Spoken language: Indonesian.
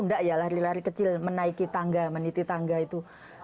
enggak ya lari lari kecil menaiki tangga meniti tangga itu